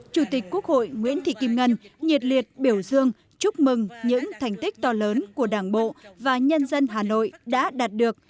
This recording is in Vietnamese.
chủ tịch quốc hội nguyễn thị kim ngân nhiệt liệt biểu dương chúc mừng những thành tích to lớn của đảng bộ và nhân dân hà nội đã đạt được